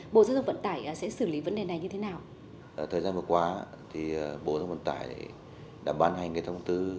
bộ giao thông vận tải sẽ xử lý vấn đề này như thế nào